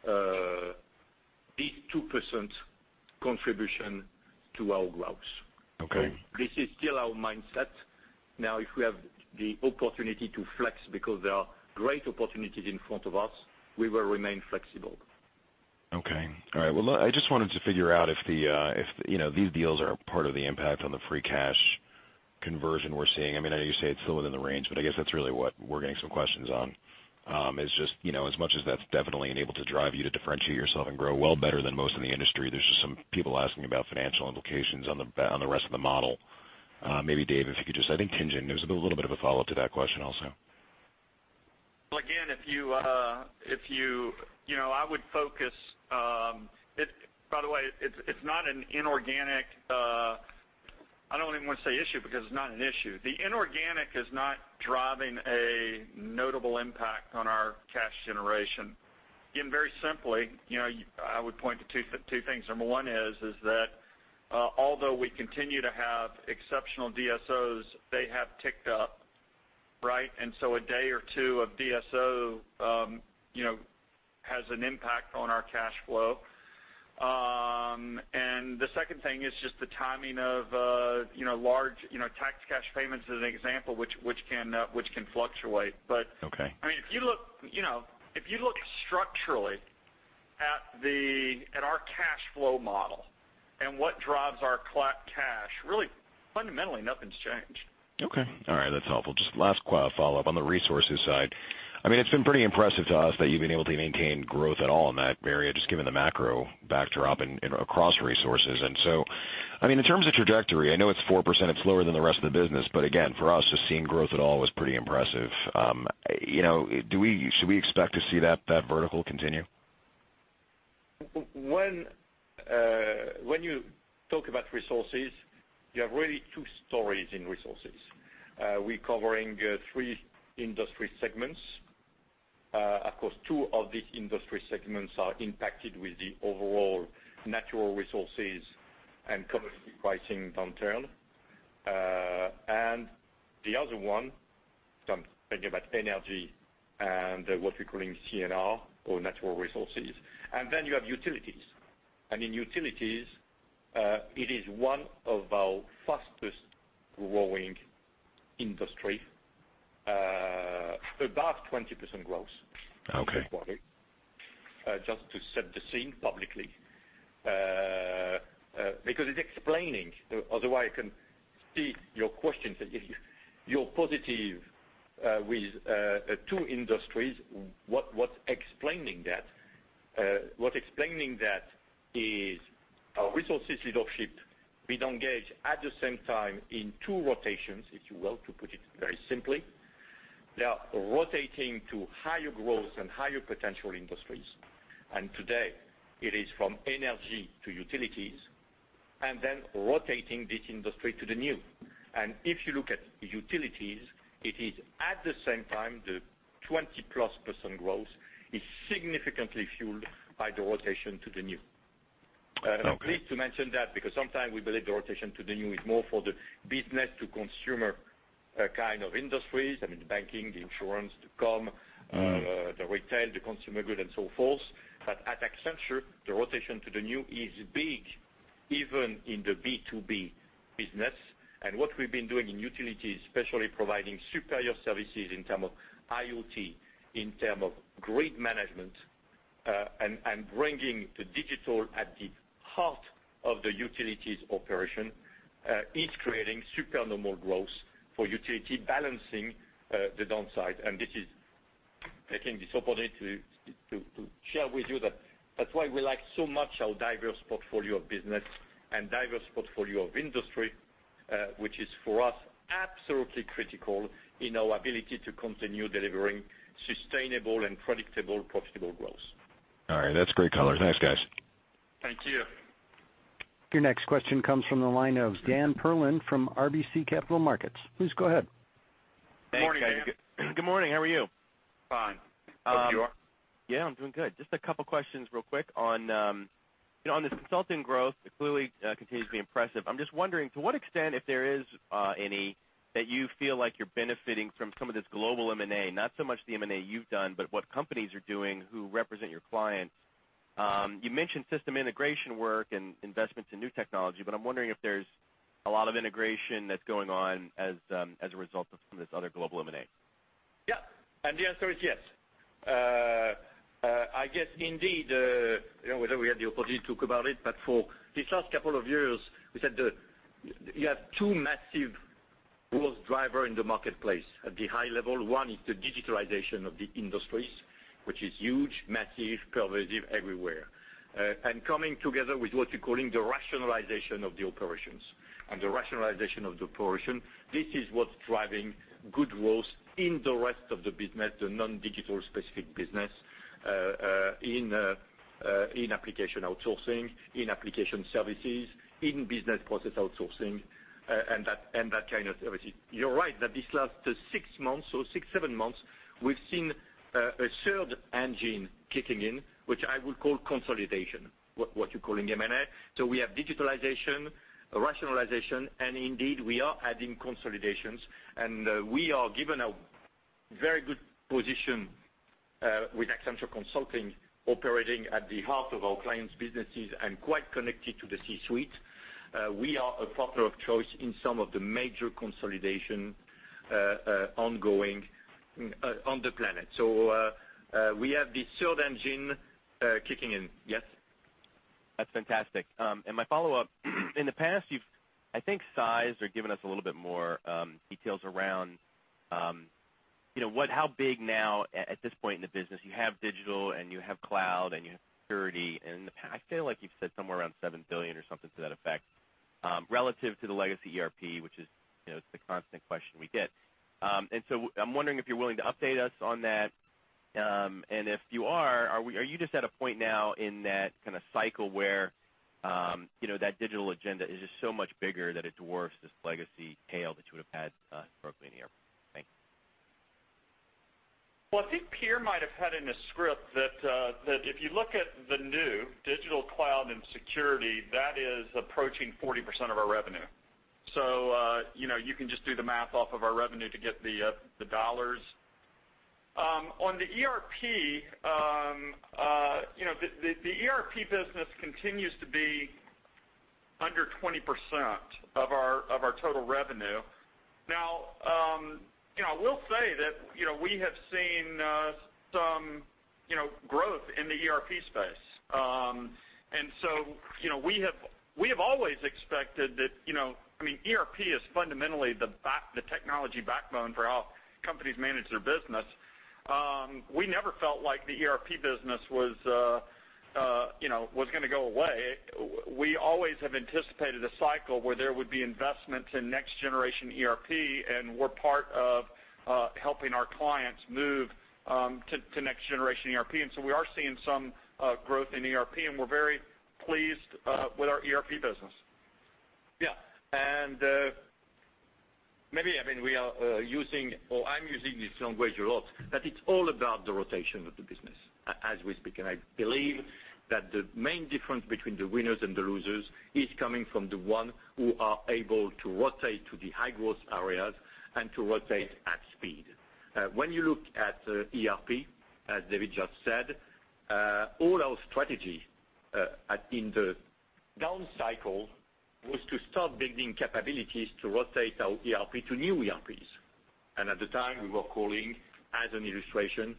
this 2% contribution to our growth. Okay. This is still our mindset. Now, if we have the opportunity to flex because there are great opportunities in front of us, we will remain flexible. Okay. All right. Well, I just wanted to figure out if these deals are a part of the impact on the free cash conversion we're seeing. I know you say it's still within the range, but I guess that's really what we're getting some questions on, is just as much as that's definitely enabled to drive you to differentiate yourself and grow well better than most in the industry, there's just some people asking about financial implications on the rest of the model. Dave, if you could just, I think Tien-Tsin, there was a little bit of a follow-up to that question also. Well, again, I would focus By the way, it's not an inorganic, I don't even want to say issue, because it's not an issue. The inorganic is not driving a notable impact on our cash generation. Again, very simply, I would point to two things. Number one is that although we continue to have exceptional DSO, they have ticked up. So a day or two of DSO has an impact on our cash flow. The second thing is just the timing of large tax cash payments as an example, which can fluctuate. Okay. If you look structurally at our cash flow model and what drives our cash, really fundamentally nothing's changed. Okay. All right. That's helpful. Just last follow-up on the resources side. It's been pretty impressive to us that you've been able to maintain growth at all in that area, just given the macro backdrop and across resources. In terms of trajectory, I know it's 4%, it's lower than the rest of the business. Again, for us, just seeing growth at all was pretty impressive. Should we expect to see that vertical continue? When you talk about resources, you have really two stories in resources. We covering three industry segments. Of course, two of these industry segments are impacted with the overall natural resources and commodity pricing downturn. The other one, so I'm thinking about energy and what we're calling CNR or natural resources. Then you have utilities. In utilities, it is one of our fastest growing industry, about 20% growth- Okay this quarter. Just to set the scene publicly. It's explaining, otherwise I can see your questions. You're positive with two industries. What's explaining that? What's explaining that is our resources leadership. We don't gauge at the same time in two rotations, if you will, to put it very simply. They are rotating to higher growth and higher potential industries. Today it is from energy to utilities, then rotating this industry to the new. If you look at utilities, it is at the same time, the 20-plus % growth is significantly fueled by the rotation to the new. Okay. Pleased to mention that because sometimes we believe the rotation to the new is more for the business to consumer kind of industries. I mean, the banking, the insurance, the comm, the retail, the consumer good and so forth. At Accenture, the rotation to the new is big, even in the B2B business. What we've been doing in utilities, especially providing superior services in terms of IoT, in terms of grid management, and bringing the digital at the heart of the utilities operation, is creating super normal growth for utility balancing the downside. This is taking this opportunity to share with you that that's why we like so much our diverse portfolio of business and diverse portfolio of industry, which is for us, absolutely critical in our ability to continue delivering sustainable and predictable, profitable growth. All right. That's great colors. Thanks, guys. Thank you. Your next question comes from the line of Daniel Perlin from RBC Capital Markets. Please go ahead. Thanks. Good morning, how are you? Fine. Hope you are? I'm doing good. Just two questions real quick on the consulting growth, it clearly continues to be impressive. I'm just wondering to what extent, if there is any, that you feel like you're benefiting from some of this global M&A, not so much the M&A you've done, but what companies are doing who represent your clients. You mentioned system integration work and investments in new technology, but I'm wondering if there's a lot of integration that's going on as a result of some of this other global M&A. The answer is yes. I guess indeed, whether we had the opportunity to talk about it, but for these last two years, we said you have two massive growth drivers in the marketplace. At the high level, one is the digitalization of the industries, which is huge, massive, pervasive everywhere. Coming together with what you're calling the rationalization of the operations. The rationalization of the operations, this is what's driving good growth in the rest of the business, the non-digital specific business, in application outsourcing, in application services, in business process outsourcing, and that kind of services. You're right that these last six months or seven months, we've seen a third engine kicking in, which I would call consolidation, what you're calling M&A. We have digitalization, rationalization, and indeed, we are adding consolidations. We are given a very good position, with Accenture Consulting operating at the heart of our clients' businesses and quite connected to the C-suite. We are a partner of choice in some of the major consolidation ongoing on the planet. We have the third engine kicking in. Yes. That's fantastic. My follow-up, in the past you've, I think, sized or given us a little bit more details around how big now at this point in the business, you have digital and you have cloud and you have security. In the past, I feel like you've said somewhere around $7 billion or something to that effect, relative to the legacy ERP, which is the constant question we get. I'm wondering if you're willing to update us on that. If you are you just at a point now in that kind of cycle where that digital agenda is just so much bigger that it dwarfs this legacy tail that you would've had broken in ERP? Thanks. Well, I think Pierre might have had in his script that if you look at the new digital cloud and security, that is approaching 40% of our revenue. You can just do the math off of our revenue to get the dollars. On the ERP, the ERP business continues to be under 20% of our total revenue. Now, I will say that we have seen some growth in the ERP space. We have always expected that, ERP is fundamentally the technology backbone for how companies manage their business. We never felt like the ERP business was going to go away. We always have anticipated a cycle where there would be investment in next generation ERP, and we're part of helping our clients move to next generation ERP. We are seeing some growth in ERP, and we're very pleased with our ERP business. Yeah. Maybe, I mean, we are using, or I'm using this language a lot, but it's all about the rotation of the business as we speak. I believe that the main difference between the winners and the losers is coming from the one who are able to rotate to the high-growth areas and to rotate at speed. When you look at ERP, as David just said, all our strategy in the down cycle was to start building capabilities to rotate our ERP to new ERPs. At the time, we were calling as an illustration,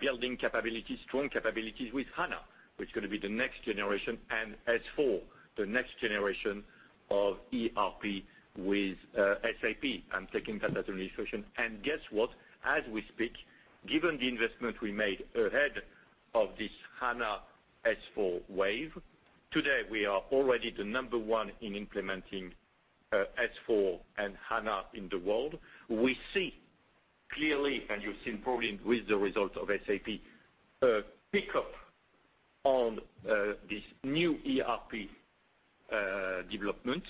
building capabilities, strong capabilities with HANA, which is going to be the next generation, and S/4, the next generation of ERP with SAP. I'm taking that as an illustration. Guess what? As we speak, given the investment we made ahead of this HANA S/4 wave, today, we are already the number one in implementing S/4 and HANA in the world. We see clearly, and you've seen probably with the result of SAP, a pickup on these new ERP developments.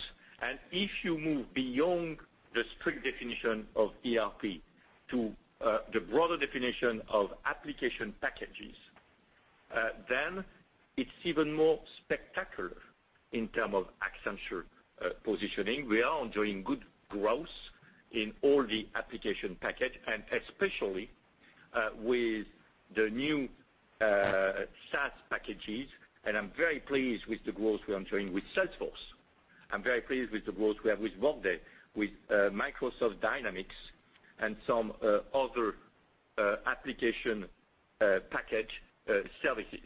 If you move beyond the strict definition of ERP to the broader definition of application packages, then it's even more spectacular in term of Accenture positioning. We are enjoying good growth in all the application package, and especially with the new SaaS packages, and I'm very pleased with the growth we are enjoying with Salesforce. I'm very pleased with the growth we have with Workday, with Microsoft Dynamics and some other application package services.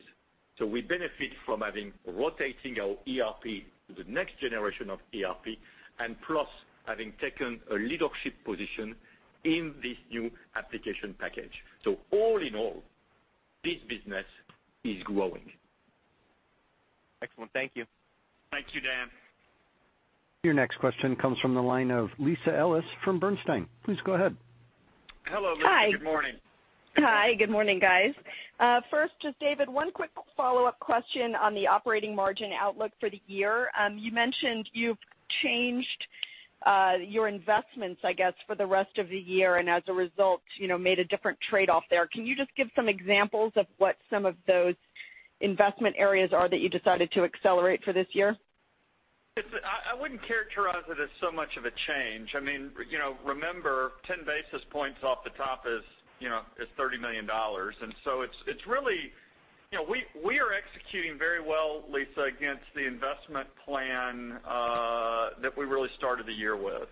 We benefit from having rotating our ERP to the next generation of ERP, and plus having taken a leadership position in this new application package. All in all, this business is growing. Excellent. Thank you. Thank you, Dan. Your next question comes from the line of Lisa Ellis from Bernstein. Please go ahead. Hello, Lisa. Good morning. Hi. Good morning, guys. First, just David, one quick follow-up question on the operating margin outlook for the year. You mentioned you've changed your investments, I guess, for the rest of the year, and as a result, made a different trade-off there. Can you just give some examples of what some of those investment areas are that you decided to accelerate for this year? I wouldn't characterize it as so much of a change. Remember, 10 basis points off the top is $30 million. We are executing very well, Lisa, against the investment plan that we really started the year with.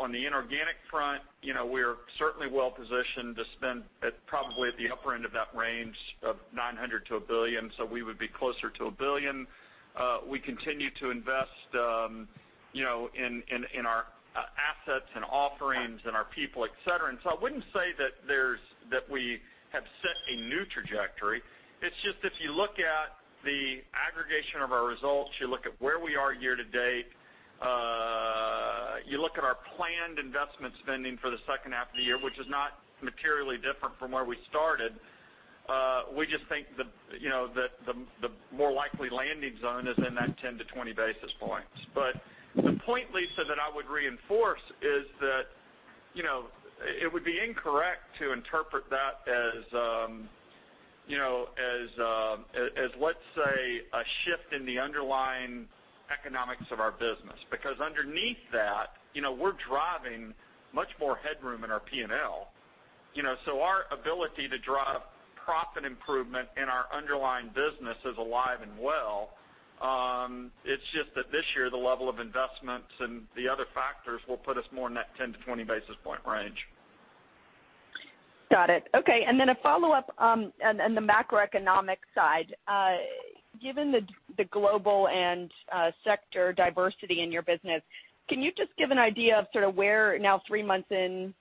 On the inorganic front, we're certainly well positioned to spend at probably at the upper end of that range of $900 million to $1 billion. We would be closer to $1 billion. We continue to invest in our assets and offerings and our people, et cetera. I wouldn't say that we have set a new trajectory. It's just if you look at the aggregation of our results, you look at where we are year to date, you look at our planned investment spending for the second half of the year, which is not materially different from where we started. We just think that the more likely landing zone is in that 10-20 basis points. The point, Lisa, that I would reinforce is that it would be incorrect to interpret that as, let's say, a shift in the underlying economics of our business. Underneath that, we're driving much more headroom in our P&L. Our ability to drive profit improvement in our underlying business is alive and well. It's just that this year, the level of investments and the other factors will put us more in that 10-20 basis point range. Got it. Okay, a follow-up on the macroeconomic side. Given the global and sector diversity in your business, can you just give an idea of where now three months into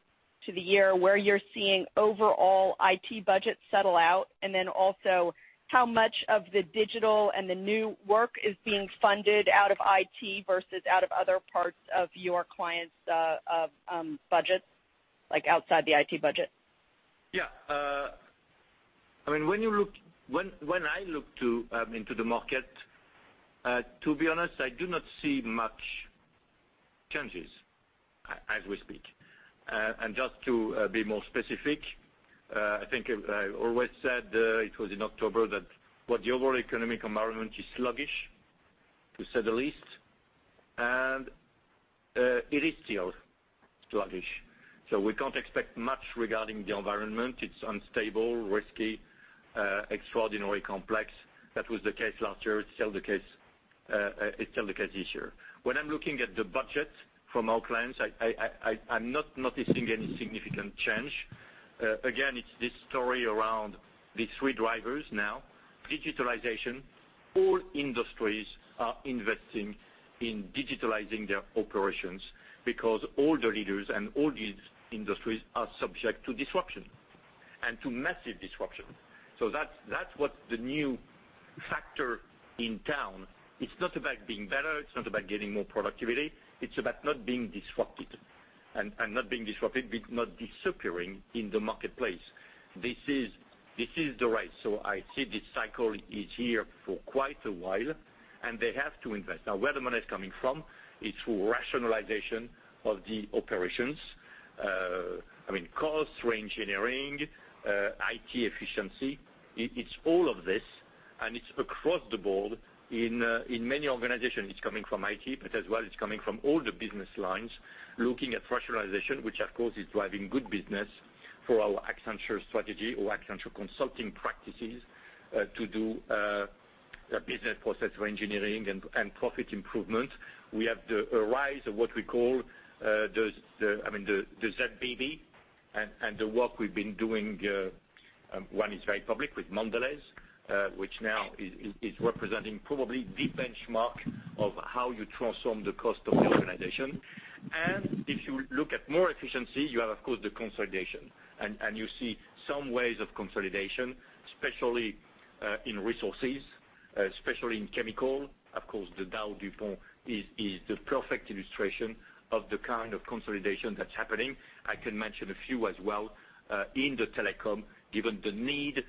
the year, where you're seeing overall IT budgets settle out? Also, how much of the digital and the new work is being funded out of IT versus out of other parts of your clients' budgets, like outside the IT budget? Yeah. When I look into the market, to be honest, I do not see much changes as we speak. Just to be more specific, I think I always said, it was in October, that the overall economic environment is sluggish, to say the least. It is still sluggish. We can't expect much regarding the environment. It's unstable, risky, extraordinarily complex. That was the case last year. It's still the case this year. When I'm looking at the budget from our clients, I'm not noticing any significant change. Again, it's this story around these three drivers now. Digitalization. All industries are investing in digitalizing their operations because all the leaders and all these industries are subject to disruption, and to massive disruption. That's what the new factor in town. It's not about being better, it's not about getting more productivity. It's about not being disrupted. Not being disrupted, not disappearing in the marketplace. This is the race. I see this cycle is here for quite a while, They have to invest. Now, where the money is coming from, it's through rationalization of the operations. Cost re-engineering, IT efficiency. It's all of this, It's across the board in many organizations. It's coming from IT, as well, it's coming from all the business lines looking at rationalization, which, of course, is driving good business for our Accenture Strategy or Accenture Consulting practices to do business process re-engineering and profit improvement. We have the rise of what we call the ZBB, the work we've been doing, one is very public with Mondelēz, which now is representing probably the benchmark of how you transform the cost of the organization. If you look at more efficiency, you have, of course, the consolidation. You see some ways of consolidation, especially in resources, especially in chemical. Of course, the DowDuPont is the perfect illustration of the kind of consolidation that's happening. I can mention a few as well in the telecom, given the need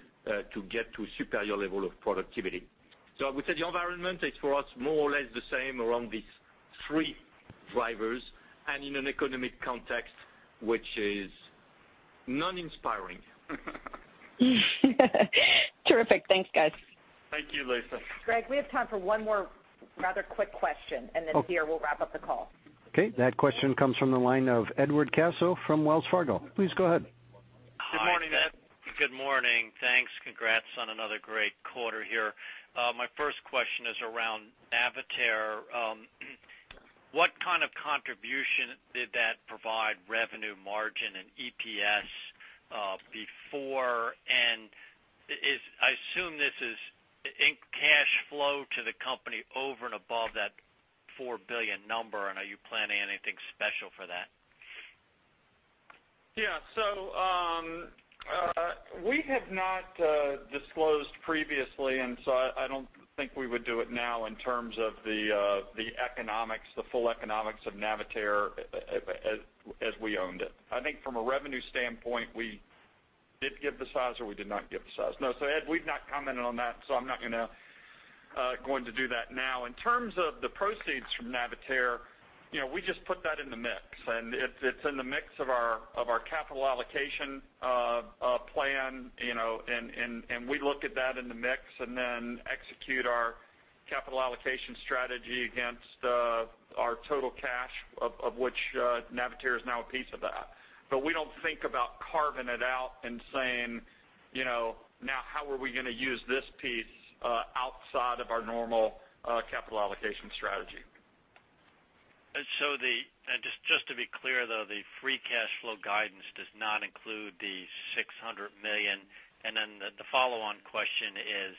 to get to a superior level of productivity. I would say the environment is for us more or less the same around these three drivers and in an economic context, which is non-inspiring. Terrific. Thanks, guys. Thank you, Lisa. Greg, we have time for one more rather quick question, and then Pierre will wrap up the call. Okay. That question comes from the line of Edward Caso from Wells Fargo. Please go ahead. Good morning, Ed. Good morning. Thanks. Congrats on another great quarter here. My first question is around Navitaire. What kind of contribution did that provide revenue, margin, and EPS before? I assume this is in cash flow to the company over and above that $4 billion number, and are you planning anything special for that? Yeah. We have not disclosed previously, and so I don't think we would do it now in terms of the full economics of Navitaire as we owned it. I think from a revenue standpoint, we did give the size, or we did not give the size? No. Ed, we've not commented on that, so I'm not going to do that now. In terms of the proceeds from Navitaire, we just put that in the mix, and it's in the mix of our capital allocation plan, and we look at that in the mix and then execute our capital allocation strategy against our total cash, of which Navitaire is now a piece of that. We don't think about carving it out and saying, "Now how are we going to use this piece outside of our normal capital allocation strategy? Just to be clear, though, the free cash flow guidance does not include the $600 million. The follow-on question is,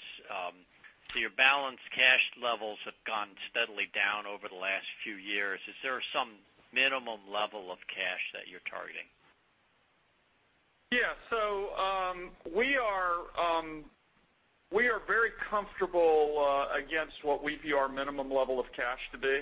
your balance cash levels have gone steadily down over the last few years. Is there some minimum level of cash that you're targeting? Yeah. We are very comfortable against what we view our minimum level of cash to be.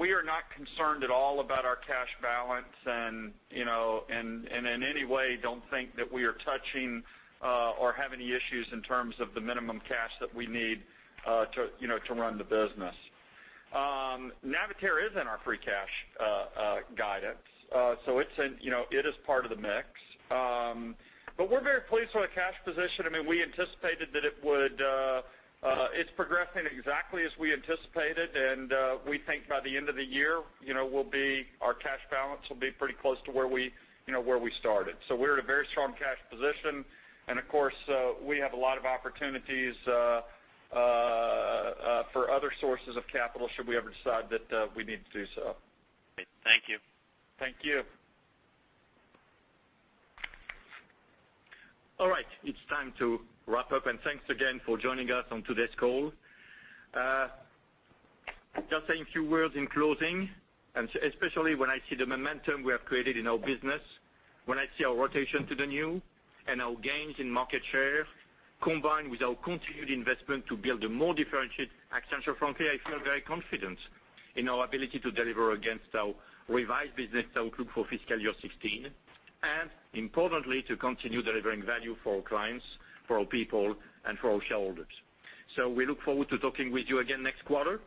We are not concerned at all about our cash balance and in any way don't think that we are touching or have any issues in terms of the minimum cash that we need to run the business. Navitaire is in our free cash guidance, so it is part of the mix. We're very pleased with our cash position. It's progressing exactly as we anticipated, and we think by the end of the year, our cash balance will be pretty close to where we started. We're at a very strong cash position, and of course, we have a lot of opportunities for other sources of capital should we ever decide that we need to do so. Thank you. Thank you. All right. It's time to wrap up, and thanks again for joining us on today's call. Just saying a few words in closing, and especially when I see the momentum we have created in our business, when I see our rotation to the new and our gains in market share, combined with our continued investment to build a more differentiated Faculty Frontier, I feel very confident in our ability to deliver against our revised business outlook for fiscal year 2016, and importantly, to continue delivering value for our clients, for our people, and for our shareholders. We look forward to talking with you again next quarter.